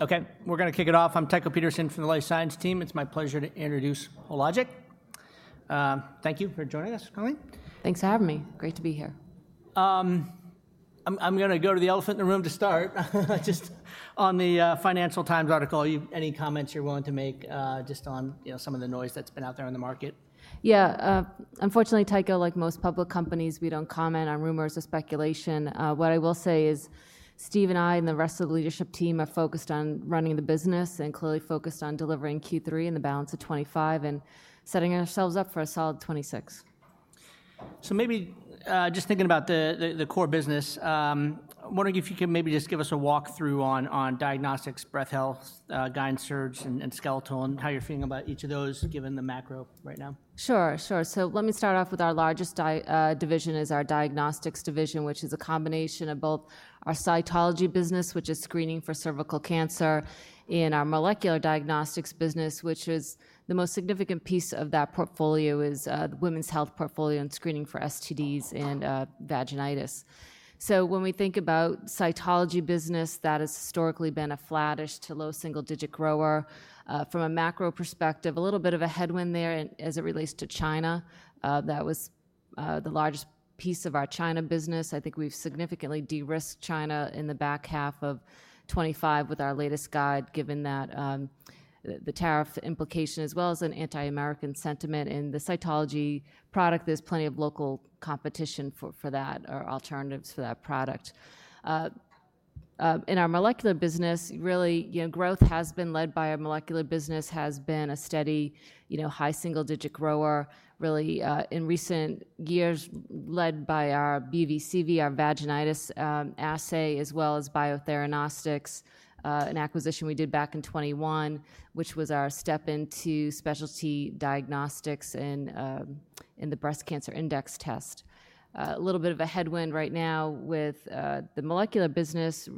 Okay, we're going to kick it off. I'm Tycho Peterson from the Life Science Team. It's my pleasure to introduce Hologic. Thank you for joining us, Karleen. Thanks for having me. Great to be here. I'm going to go to the elephant in the room to start. Just on the Financial Times article, any comments you're willing to make just on some of the noise that's been out there in the market? Yeah, unfortunately, Tycho, like most public companies, we do not comment on rumors or speculation. What I will say is Steve and I and the rest of the leadership team are focused on running the business and clearly focused on delivering Q3 and the balance of 2025 and setting ourselves up for a solid 2026. Maybe just thinking about the core business, I'm wondering if you could maybe just give us a walkthrough on diagnostics, breast health, guidance search, and skeletal, and how you're feeling about each of those given the macro right now. Sure, sure. Let me start off with our largest division, which is our Diagnostics division, which is a combination of both our cytology business, which is screening for cervical cancer, and our Molecular Diagnostics business, which is the most significant piece of that portfolio, is the women's health portfolio and screening for STDs and vaginitis. When we think about cytology business, that has historically been a flattish to low single-digit grower. From a macro perspective, a little bit of a headwind there as it relates to China. That was the largest piece of our China business. I think we've significantly de-risked China in the back half of 2025 with our latest guide, given the tariff implication, as well as an anti-American sentiment. In the cytology product, there's plenty of local competition for that or alternatives for that product. In our molecular business, really, growth has been led by our molecular business, has been a steady, high single-digit grower, really, in recent years, led by our BV and CV, our vaginitis Assay, as well as Biotheranostics, an acquisition we did back in 2021, which was our step into specialty diagnostics and the Breast Cancer Index test. A little bit of a headwind right now with the molecular business,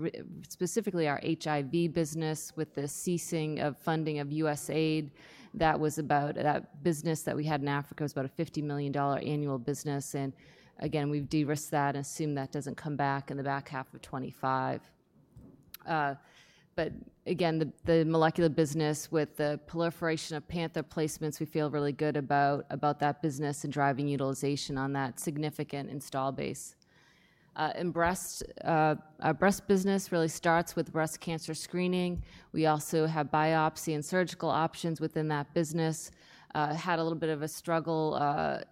specifically our HIV business, with the ceasing of funding of USAID. That business that we had in Africa was about a $50 million annual business. We have de-risked that and assumed that does not come back in the back half of 2025. The molecular business with the proliferation of Panther placements, we feel really good about that business and driving utilization on that significant install base. In breast, our breast business really starts with breast cancer screening. We also have biopsy and surgical options within that business. Had a little bit of a struggle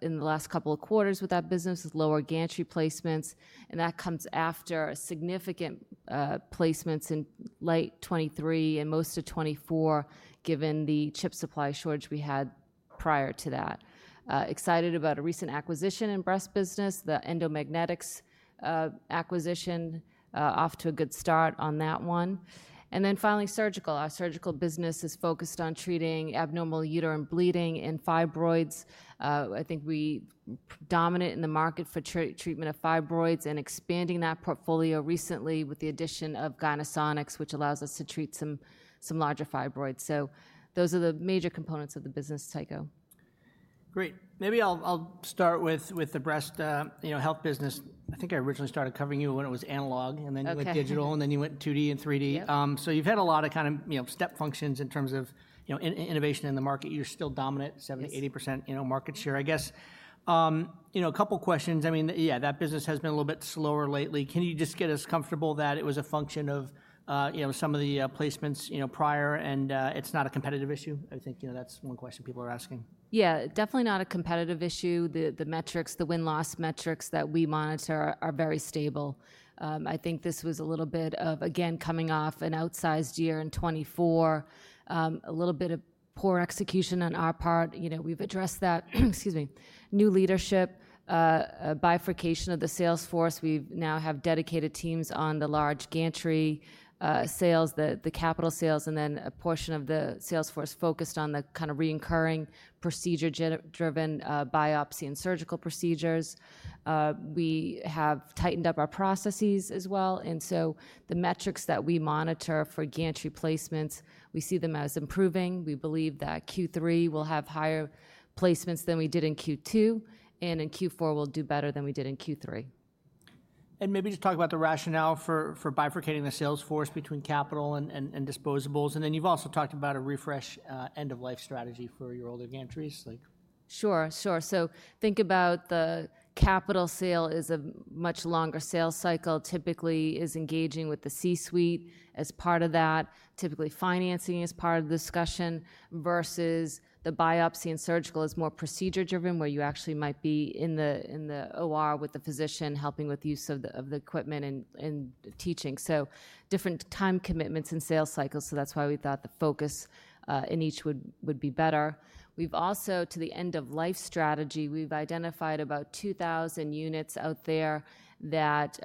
in the last couple of quarters with that business with lower gantry placements. That comes after significant placements in late 2023 and most of 2024, given the chip supply shortage we had prior to that. Excited about a recent acquisition in breast business, the Endomagnetics acquisition, off to a good start on that one. Finally, surgical. Our surgical business is focused on treating abnormal uterine bleeding and fibroids. I think we're dominant in the market for treatment of fibroids and expanding that portfolio recently with the addition of Gynesonics, which allows us to treat some larger fibroids. Those are the major components of the business, Tycho. Great. Maybe I'll start with the breast health business. I think I originally started covering you when it was analog and then went digital and then you went 2D and 3D. So you've had a lot of kind of step functions in terms of innovation in the market. You're still dominant, 70%-80% market share, I guess. A couple of questions. I mean, yeah, that business has been a little bit slower lately. Can you just get us comfortable that it was a function of some of the placements prior and it's not a competitive issue? I think that's one question people are asking. Yeah, definitely not a competitive issue. The metrics, the win-loss metrics that we monitor are very stable. I think this was a little bit of, again, coming off an outsized year in 2024, a little bit of poor execution on our part. We've addressed that. Excuse me. New leadership, bifurcation of the sales force. We now have dedicated teams on the large gantry sales, the capital sales, and then a portion of the sales force focused on the kind of reoccurring procedure-driven biopsy and surgical procedures. We have tightened up our processes as well. The metrics that we monitor for gantry placements, we see them as improving. We believe that Q3 we'll have higher placements than we did in Q2, and in Q4 we'll do better than we did in Q3. Maybe just talk about the rationale for bifurcating the sales force between capital and disposables. Then you have also talked about a refresh end-of-life strategy for your older gantries. Sure, sure. Think about the capital sale as a much longer sales cycle, typically is engaging with the C-suite as part of that, typically financing as part of the discussion versus the biopsy and surgical is more procedure-driven where you actually might be in the OR with the physician helping with the use of the equipment and teaching. Different time commitments and sales cycles. That is why we thought the focus in each would be better. We have also, to the end-of-life strategy, identified about 2,000 units out there that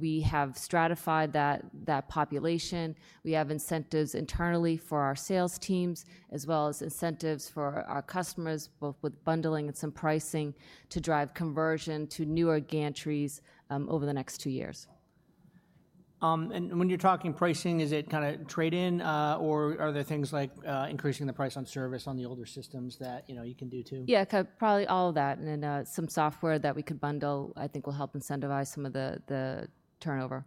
we have stratified that population. We have incentives internally for our sales teams as well as incentives for our customers, both with bundling and some pricing to drive conversion to newer gantries over the next two years. When you're talking pricing, is it kind of trade-in or are there things like increasing the price on service on the older systems that you can do too? Yeah, probably all of that. And then some software that we could bundle, I think will help incentivize some of the turnover.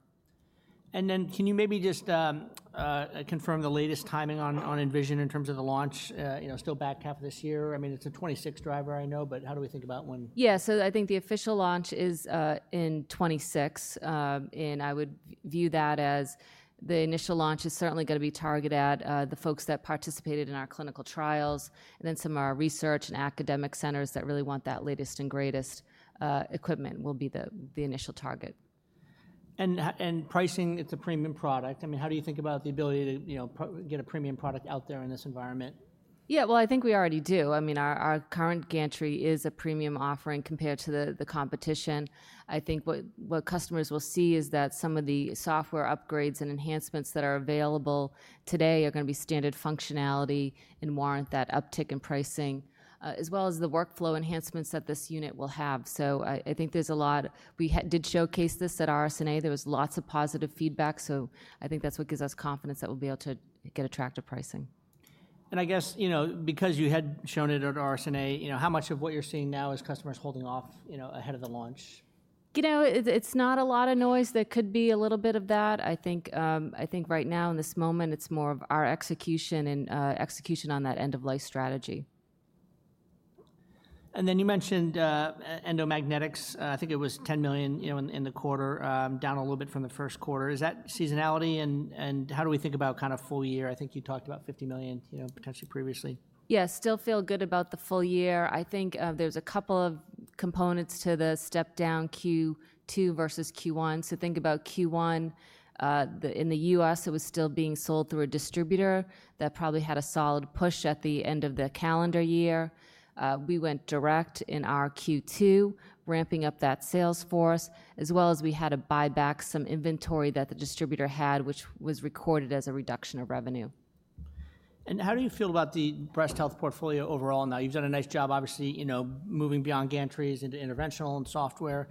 Can you maybe just confirm the latest timing on Envision in terms of the launch? Still back half of this year. I mean, it's a 2026 driver, I know, but how do we think about when? Yeah, so I think the official launch is in 2026. I would view that as the initial launch is certainly going to be targeted at the folks that participated in our clinical trials. Some of our research and academic centers that really want that latest and greatest equipment will be the initial target. Pricing, it's a premium product. I mean, how do you think about the ability to get a premium product out there in this environment? Yeah, I think we already do. I mean, our current gantry is a premium offering compared to the competition. I think what customers will see is that some of the software upgrades and enhancements that are available today are going to be standard functionality and warrant that uptick in pricing, as well as the workflow enhancements that this unit will have. I think there's a lot. We did showcase this at RSNA. There was lots of positive feedback. I think that's what gives us confidence that we'll be able to get attractive pricing. I guess because you had shown it at RSNA, how much of what you're seeing now is customers holding off ahead of the launch? You know, it's not a lot of noise. There could be a little bit of that. I think right now in this moment, it's more of our execution and execution on that end-of-life strategy. You mentioned Endomagnetics. I think it was $10 million in the quarter, down a little bit from the first quarter. Is that seasonality? How do we think about kind of full year? I think you talked about $50 million potentially previously. Yeah, still feel good about the full year. I think there's a couple of components to the step-down Q2 versus Q1. Think about Q1. In the U.S., it was still being sold through a distributor that probably had a solid push at the end of the calendar year. We went direct in our Q2, ramping up that sales force, as well as we had to buy back some inventory that the distributor had, which was recorded as a reduction of revenue. How do you feel about the breast health portfolio overall now? You've done a nice job, obviously, moving beyond gantries into interventional and software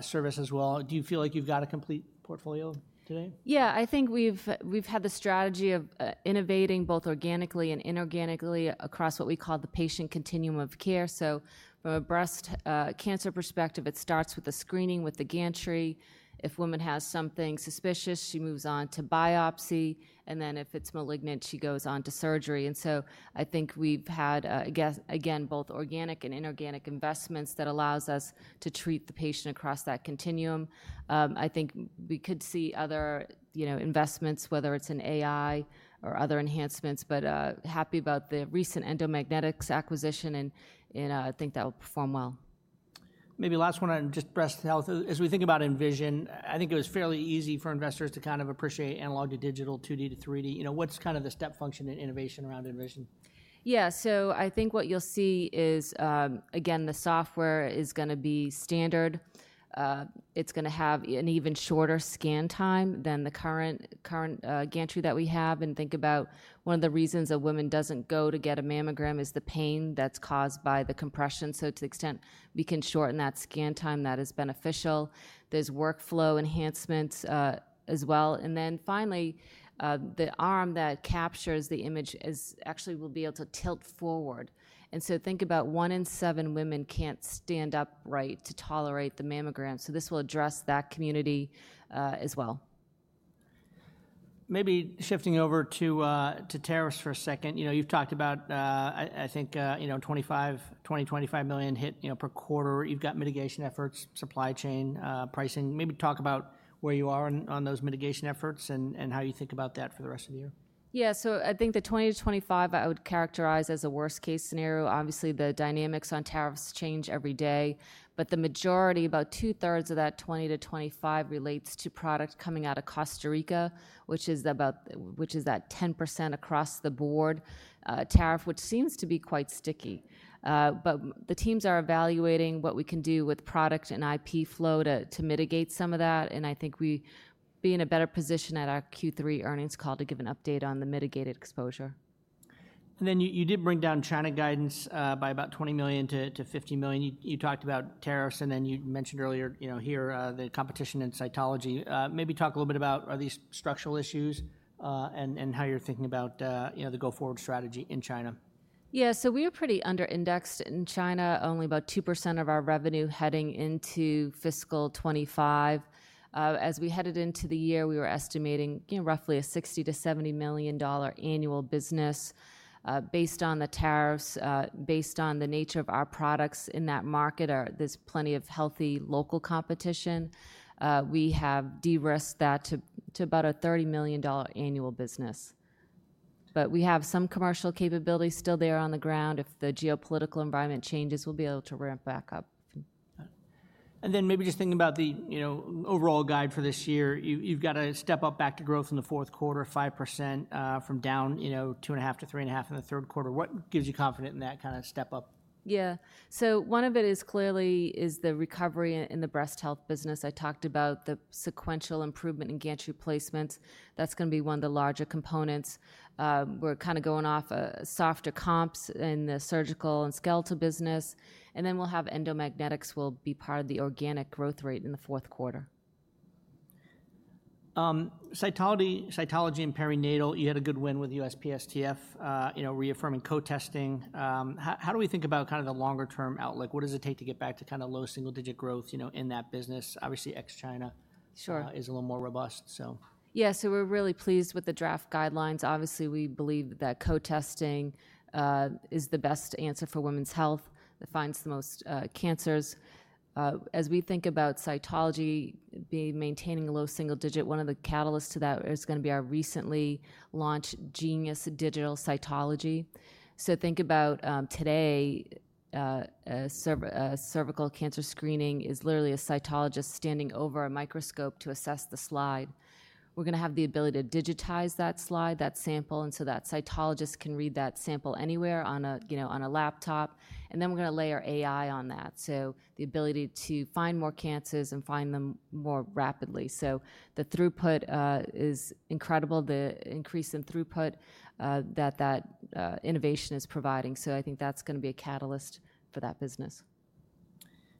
service as well. Do you feel like you've got a complete portfolio today? Yeah, I think we've had the strategy of innovating both organically and inorganically across what we call the patient continuum of care. From a breast cancer perspective, it starts with the screening with the gantry. If a woman has something suspicious, she moves on to biopsy. If it's malignant, she goes on to surgery. I think we've had, again, both organic and inorganic investments that allow us to treat the patient across that continuum. I think we could see other investments, whether it's in AI or other enhancements, but happy about the recent Endomagnetics acquisition. I think that will perform well. Maybe last one on just breast health. As we think about Envision, I think it was fairly easy for investors to kind of appreciate analog to digital, 2D to 3D. What is kind of the step function and innovation around Envision? Yeah, so I think what you'll see is, again, the software is going to be standard. It's going to have an even shorter scan time than the current gantry that we have. Think about one of the reasons a woman doesn't go to get a mammogram is the pain that's caused by the compression. To the extent we can shorten that scan time, that is beneficial. There are workflow enhancements as well. Finally, the arm that captures the image actually will be able to tilt forward. Think about one in seven women can't stand upright to tolerate the mammogram. This will address that community as well. Maybe shifting over to tariffs for a second. You've talked about, I think, $20 million-$25 million hit per quarter. You've got mitigation efforts, supply chain, pricing. Maybe talk about where you are on those mitigation efforts and how you think about that for the rest of the year. Yeah, so I think the $20 million-$25 million I would characterize as a worst-case scenario. Obviously, the dynamics on tariffs change every day. The majority, about two-thirds of that $20 million-$25 million relates to product coming out of Costa Rica, which is that 10% across the board tariff, which seems to be quite sticky. The teams are evaluating what we can do with product and IP flow to mitigate some of that. I think we'll be in a better position at our Q3 earnings call to give an update on the mitigated exposure. You did bring down China guidance by about $20 million-$50 million. You talked about tariffs, and then you mentioned earlier here the competition in cytology. Maybe talk a little bit about these structural issues and how you're thinking about the go-forward strategy in China. Yeah, so we are pretty under-indexed in China, only about 2% of our revenue heading into fiscal 2025. As we headed into the year, we were estimating roughly a $60 million-$70 million annual business. Based on the tariffs, based on the nature of our products in that market, there's plenty of healthy local competition. We have de-risked that to about a $30 million annual business. We have some commercial capability still there on the ground. If the geopolitical environment changes, we'll be able to ramp back up. Maybe just thinking about the overall guide for this year, you've got a step up back to growth in the fourth quarter, 5% from down 2.5%-3.5% in the third quarter. What gives you confidence in that kind of step up? Yeah, so one of it is clearly the recovery in the breast health business. I talked about the sequential improvement in gantry placements. That's going to be one of the larger components. We're kind of going off softer comps in the surgical and skeletal business. Then we'll have Endomagnetics will be part of the organic growth rate in the fourth quarter. Cytology and perinatal, you had a good win with USPSTF reaffirming co-testing. How do we think about kind of the longer-term outlook? What does it take to get back to kind of low single-digit growth in that business? Obviously, ex-China is a little more robust, so. Yeah, so we're really pleased with the draft guidelines. Obviously, we believe that co-testing is the best answer for women's health that finds the most cancers. As we think about cytology maintaining a low single digit, one of the catalysts to that is going to be our recently launched Genius Digital Cytology. So think about today, cervical cancer screening is literally a cytologist standing over a microscope to assess the slide. We're going to have the ability to digitize that slide, that sample, and so that cytologist can read that sample anywhere on a laptop. And then we're going to layer AI on that. So the ability to find more cancers and find them more rapidly. The throughput is incredible, the increase in throughput that that innovation is providing. I think that's going to be a catalyst for that business.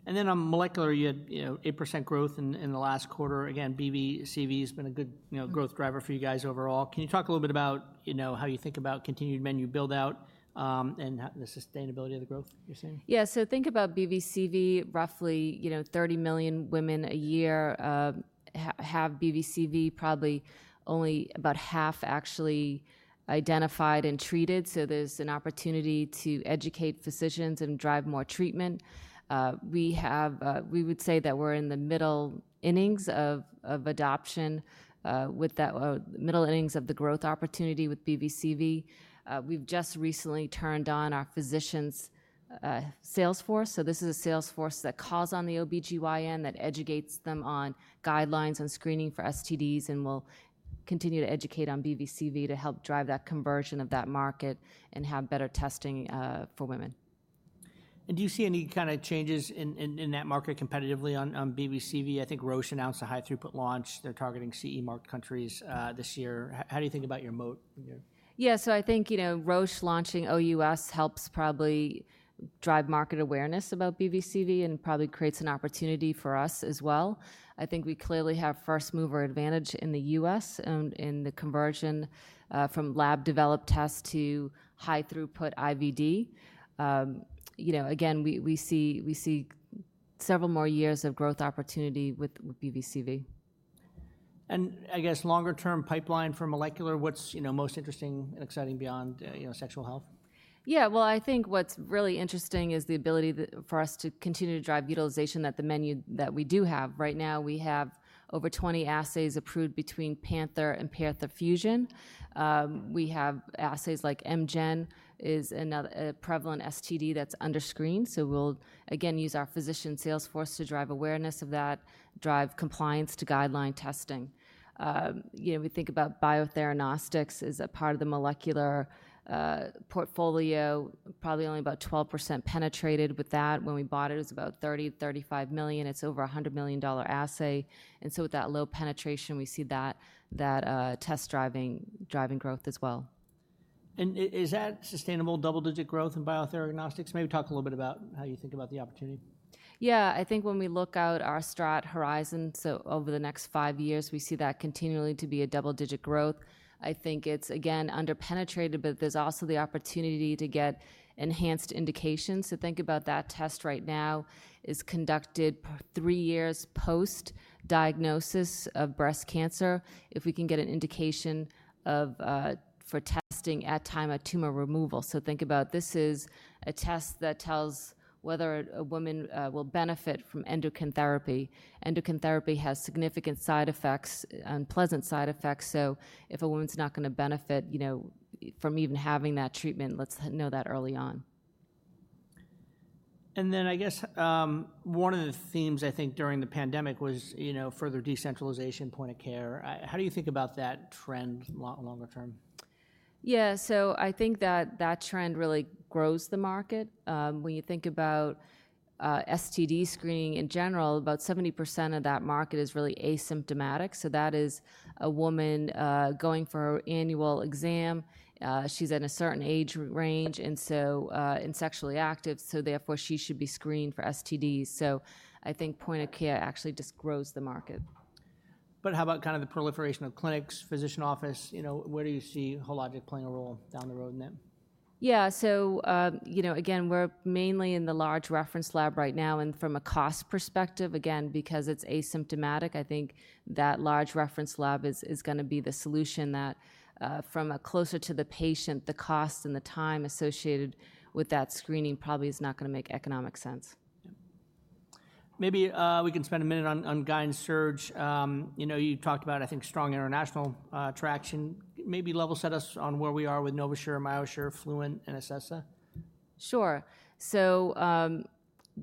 On molecular, you had 8% growth in the last quarter. BV and CV has been a good growth driver for you guys overall. Can you talk a little bit about how you think about continued menu build-out and the sustainability of the growth you're seeing? Yeah, so think about BV and CV, roughly 30 million women a year have BV and CV, probably only about half actually identified and treated. There is an opportunity to educate physicians and drive more treatment. We would say that we're in the middle innings of adoption with that, middle innings of the growth opportunity with BV and CV. We've just recently turned on our physicians' sales force. This is a sales force that calls on the OB-GYN, that educates them on guidelines on screening for STDs, and will continue to educate on BV and CV to help drive that conversion of that market and have better testing for women. Do you see any kind of changes in that market competitively on BV and CV? I think Roche announced a high-throughput launch. They're targeting CE marked countries this year. How do you think about your moat? Yeah, so I think Roche launching OUS helps probably drive market awareness about BV and CV and probably creates an opportunity for us as well. I think we clearly have first-mover advantage in the U.S. in the conversion from lab-developed tests to high-throughput IVD. Again, we see several more years of growth opportunity with BV and CV. I guess longer-term pipeline for molecular, what's most interesting and exciting beyond sexual health? Yeah, I think what's really interesting is the ability for us to continue to drive utilization at the menu that we do have. Right now, we have over 20 Assays approved between Panther and Panther Fusion. We have Assays like Mgen, which is a prevalent STD that's under screened. We'll, again, use our physician sales force to drive awareness of that, drive compliance to guideline testing. We think about Biotheranostics as a part of the molecular portfolio, probably only about 12% penetrated with that. When we bought it, it was about $30 million-$35 million. It's over a $100 million Assay. With that low penetration, we see that test driving growth as well. Is that sustainable double-digit growth in Biotheranostics? Maybe talk a little bit about how you think about the opportunity. Yeah, I think when we look out our Strat Horizon, so over the next five years, we see that continually to be a double-digit growth. I think it's, again, under-penetrated, but there's also the opportunity to get enhanced indications. So think about that test right now is conducted three years post-diagnosis of breast cancer if we can get an indication for testing at time of tumor removal. So think about this is a test that tells whether a woman will benefit from endocrine therapy. Endocrine therapy has significant side effects and pleasant side effects. So if a woman's not going to benefit from even having that treatment, let's know that early on. I guess one of the themes, I think, during the pandemic was further decentralization point of care. How do you think about that trend longer term? Yeah, so I think that that trend really grows the market. When you think about STD screening in general, about 70% of that market is really asymptomatic. So that is a woman going for her annual exam. She's in a certain age range and sexually active. So therefore, she should be screened for STDs. So I think point of care actually just grows the market. How about kind of the proliferation of clinics, physician office? Where do you see Hologic playing a role down the road in that? Yeah, so again, we're mainly in the large reference lab right now. From a cost perspective, again, because it's asymptomatic, I think that large reference lab is going to be the solution. From closer to the patient, the cost and the time associated with that screening probably is not going to make economic sense. Maybe we can spend a minute on guidance surge. You talked about, I think, strong international traction. Maybe level set us on where we are with NovaSure, MyoSure, Fluent, and Asesa. Sure.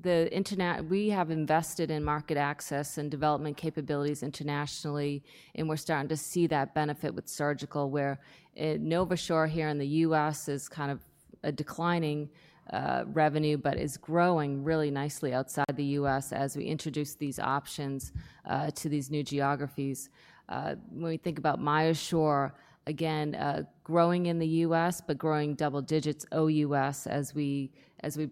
We have invested in market access and development capabilities internationally. We're starting to see that benefit with surgical, where NovaSure here in the U.S. is kind of a declining revenue, but is growing really nicely outside the U.S. as we introduce these options to these new geographies. When we think about MyoSure, again, growing in the U.S., but growing double digits OUS as we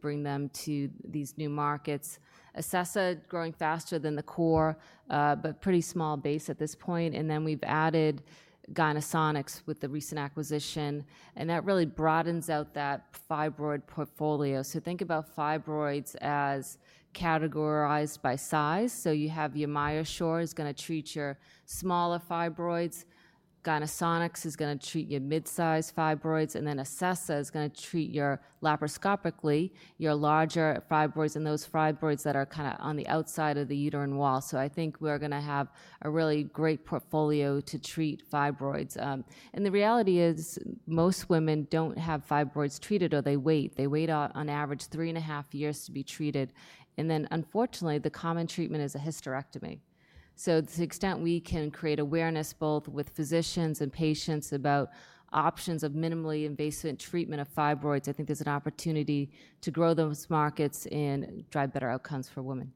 bring them to these new markets. Asesa growing faster than the core, but pretty small base at this point. We have added Gynesonics with the recent acquisition. That really broadens out that fibroid portfolio. Think about fibroids as categorized by size. You have your MyoSure is going to treat your smaller fibroids. Gynesonics is going to treat your mid-size fibroids. Asesa is going to treat laparoscopically your larger fibroids and those fibroids that are kind of on the outside of the uterine wall. I think we're going to have a really great portfolio to treat fibroids. The reality is most women do not have fibroids treated or they wait. They wait on average three and a half years to be treated. Unfortunately, the common treatment is a hysterectomy. To the extent we can create awareness both with physicians and patients about options of minimally invasive treatment of fibroids, I think there is an opportunity to grow those markets and drive better outcomes for women.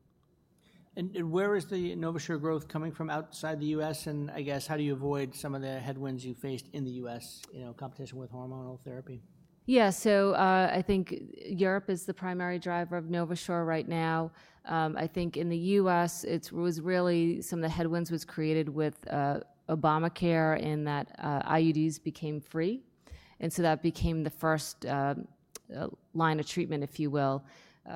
Where is the NovaSure growth coming from outside the U.S.? I guess how do you avoid some of the headwinds you faced in the U.S. competition with hormonal therapy? Yeah, so I think Europe is the primary driver of NovaSure right now. I think in the U.S., it was really some of the headwinds was created with Obamacare in that IUDs became free. That became the first line of treatment, if you will,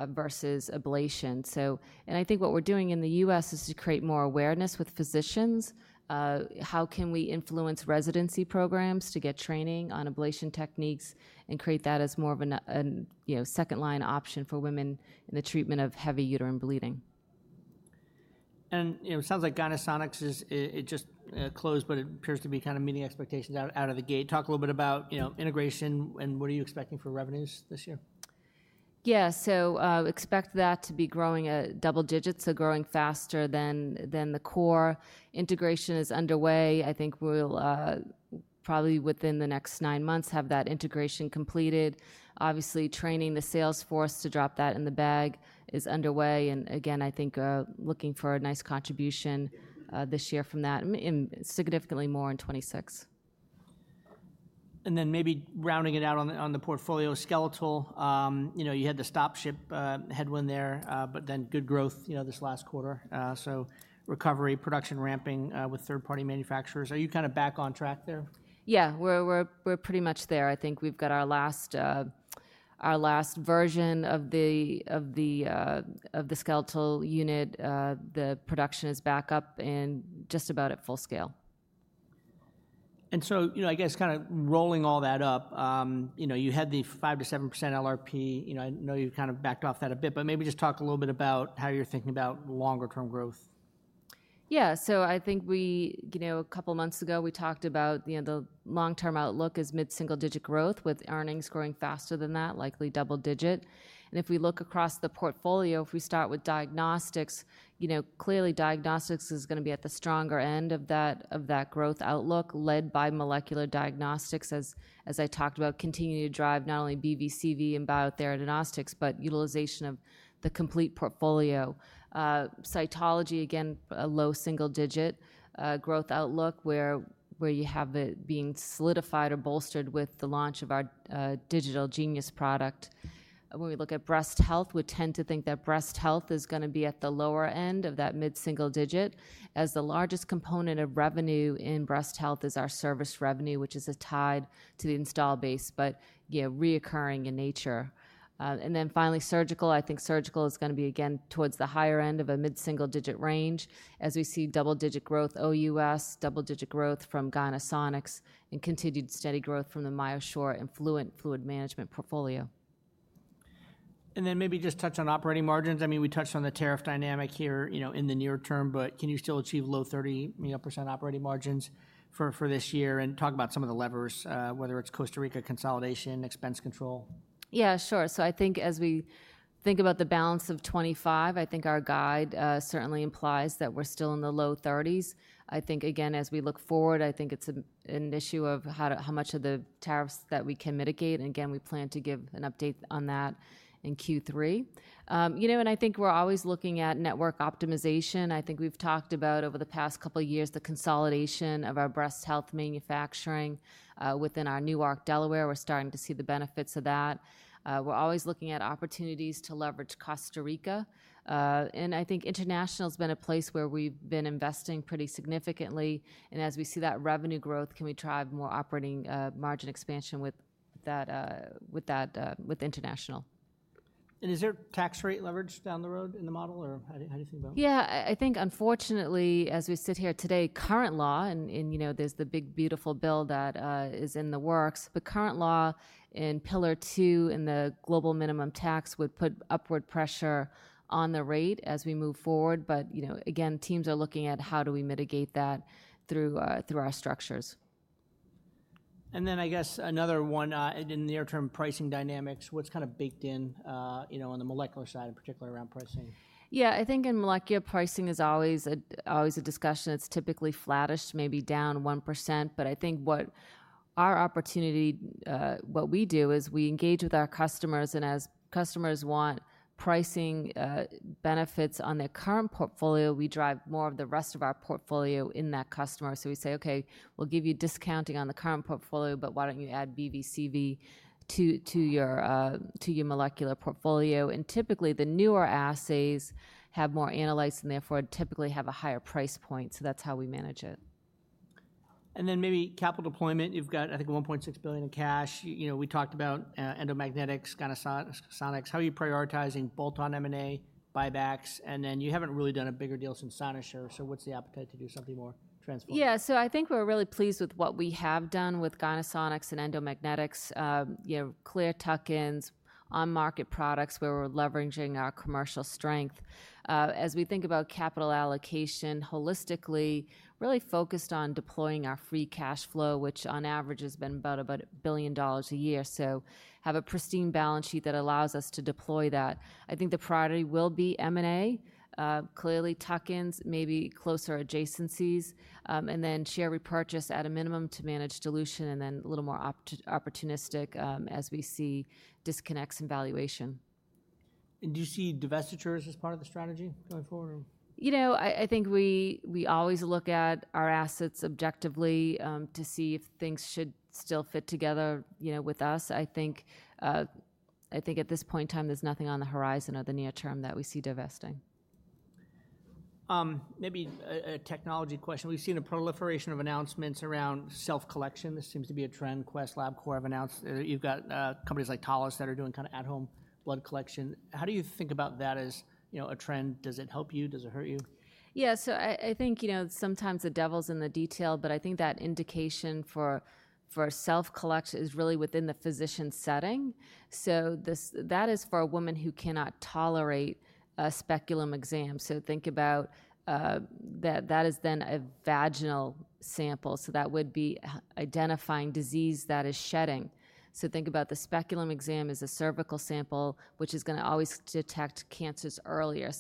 versus ablation. I think what we're doing in the U.S. is to create more awareness with physicians. How can we influence residency programs to get training on ablation techniques and create that as more of a second-line option for women in the treatment of heavy uterine bleeding? It sounds like Gynesonics just closed, but it appears to be kind of meeting expectations out of the gate. Talk a little bit about integration and what are you expecting for revenues this year? Yeah, expect that to be growing at double-digits, so growing faster than the core. Integration is underway. I think we'll probably within the next nine months have that integration completed. Obviously, training the sales force to drop that in the bag is underway. I think looking for a nice contribution this year from that and significantly more in 2026. Maybe rounding it out on the portfolio skeletal, you had the stop ship headwind there, but then good growth this last quarter. Recovery, production ramping with third-party manufacturers. Are you kind of back on track there? Yeah, we're pretty much there. I think we've got our last version of the skeletal unit. The production is back up and just about at full scale. I guess kind of rolling all that up, you had the 5%-7% LRP. I know you kind of backed off that a bit, but maybe just talk a little bit about how you're thinking about longer-term growth. Yeah, so I think a couple of months ago, we talked about the long-term outlook is mid-single-digit growth with earnings growing faster than that, likely double digit. If we look across the portfolio, if we start with diagnostics, clearly diagnostics is going to be at the stronger end of that growth outlook led by Molecular Diagnostics, as I talked about, continuing to drive not only BV and CV and Biotheranostics, but utilization of the complete portfolio. Cytology, again, a low single-digit growth outlook where you have it being solidified or bolstered with the launch of our digital Genius product. When we look at breast health, we tend to think that breast health is going to be at the lower end of that mid-single-digit, as the largest component of revenue in breast health is our service revenue, which is tied to the install base, but reoccurring in nature. Finally, surgical, I think surgical is going to be, again, towards the higher end of a mid-single-digit range, as we see double-digit growth OUS, double-digit growth from Gynesonics, and continued steady growth from the MyoSure and Fluent Fluid Management portfolio. Maybe just touch on operating margins. I mean, we touched on the tariff dynamic here in the near term, but can you still achieve low 30% operating margins for this year? Talk about some of the levers, whether it's Costa Rica consolidation, expense control. Yeah, sure. I think as we think about the balance of 2025, I think our guide certainly implies that we're still in the low 30s. I think, again, as we look forward, it's an issue of how much of the tariffs that we can mitigate. We plan to give an update on that in Q3. I think we're always looking at network optimization. We've talked about over the past couple of years the consolidation of our breast health manufacturing within our Newark, Delaware. We're starting to see the benefits of that. We're always looking at opportunities to leverage Costa Rica. I think international has been a place where we've been investing pretty significantly. As we see that revenue growth, can we drive more operating margin expansion with international? Is there tax rate leverage down the road in the model or how do you think about it? Yeah, I think unfortunately, as we sit here today, current law, and there's the big beautiful bill that is in the works, but current law in pillar two in the global minimum tax would put upward pressure on the rate as we move forward. Again, teams are looking at how do we mitigate that through our structures. I guess another one in the near-term pricing dynamics, what's kind of baked in on the molecular side, in particular around pricing? Yeah, I think in molecular pricing is always a discussion. It's typically flattish, maybe down 1%. I think what our opportunity, what we do is we engage with our customers. As customers want pricing benefits on their current portfolio, we drive more of the rest of our portfolio in that customer. We say, "Okay, we'll give you discounting on the current portfolio, but why don't you add BV and CV to your molecular portfolio?" Typically, the newer Assays have more analytes and therefore typically have a higher price point. That's how we manage it. Maybe capital deployment. You've got, I think, $1.6 billion in cash. We talked about Endomagnetics, Gynesonics, how are you prioritizing bolt-on M&A, buybacks? You haven't really done a bigger deal since Cynosure. What's the appetite to do something more transformative? Yeah, so I think we're really pleased with what we have done with Gynesonics and Endomagnetics, clear tuck-ins on market products where we're leveraging our commercial strength. As we think about capital allocation, holistically, really focused on deploying our free cash flow, which on average has been about $1 billion a year. So have a pristine balance sheet that allows us to deploy that. I think the priority will be M&A, clearly tuck-ins, maybe closer adjacencies, and then share repurchase at a minimum to manage dilution and then a little more opportunistic as we see disconnects in valuation. Do you see divestitures as part of the strategy going forward? You know, I think we always look at our assets objectively to see if things should still fit together with us. I think at this point in time, there's nothing on the horizon of the near term that we see divesting. Maybe a technology question. We've seen a proliferation of announcements around self-collection. This seems to be a trend. Quest, LabCorp have announced, you've got companies like Tasso that are doing kind of at-home blood collection. How do you think about that as a trend? Does it help you? Does it hurt you? Yeah, so I think sometimes the devil's in the detail, but I think that indication for self-collection is really within the physician setting. That is for a woman who cannot tolerate a speculum exam. Think about that as then a vaginal sample. That would be identifying disease that is shedding. Think about the speculum exam as a cervical sample, which is going to always detect cancers earlier.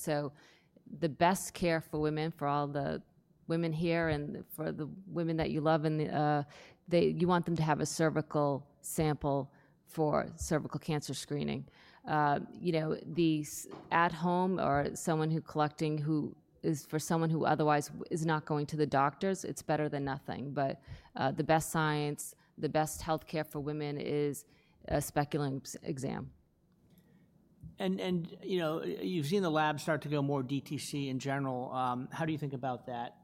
The best care for women, for all the women here and for the women that you love, you want them to have a cervical sample for cervical cancer screening. The at-home or someone who is for someone who otherwise is not going to the doctors, it's better than nothing. The best science, the best healthcare for women is a speculum exam. You've seen the labs start to go more DTC in general. How do you think about that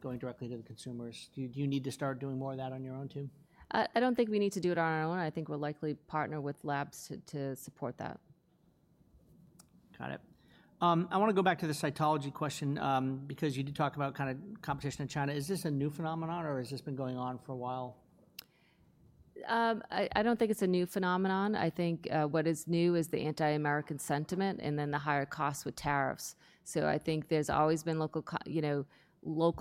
going directly to the consumers? Do you need to start doing more of that on your own too? I don't think we need to do it on our own. I think we'll likely partner with labs to support that. Got it. I want to go back to the cytology question because you did talk about kind of competition in China. Is this a new phenomenon or has this been going on for a while? I don't think it's a new phenomenon. I think what is new is the anti-American sentiment and then the higher costs with tariffs. I think there's always been local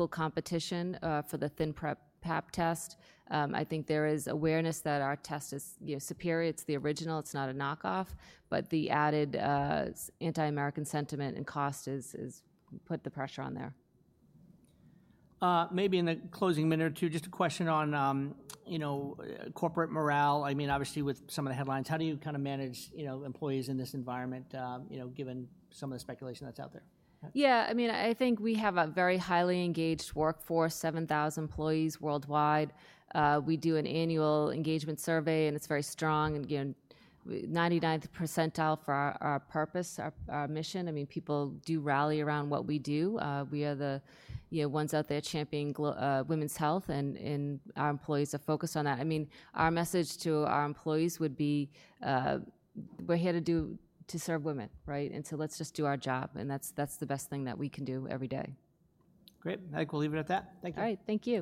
competition for the ThinPrep Pap Test. I think there is awareness that our test is superior. It's the original. It's not a knockoff. The added anti-American sentiment and cost has put the pressure on there. Maybe in the closing minute or two, just a question on corporate morale. I mean, obviously with some of the headlines, how do you kind of manage employees in this environment given some of the speculation that is out there? Yeah, I mean, I think we have a very highly engaged workforce, 7,000 employees worldwide. We do an annual engagement survey, and it's very strong. 99th percentile for our purpose, our mission. I mean, people do rally around what we do. We are the ones out there championing women's health, and our employees are focused on that. I mean, our message to our employees would be we're here to serve women, right? And let's just do our job. That's the best thing that we can do every day. Great. I think we'll leave it at that. Thank you. All right. Thank you.